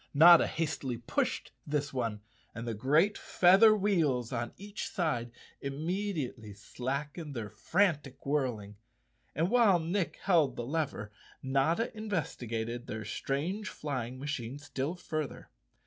Notta hastily pushed this one and the great feather wheels on each side immediately 172 _ Chapter Thirteen slackened their frantic whirling, and while Nick held the lever Notta investigated their strange flying ma¬ chine still further.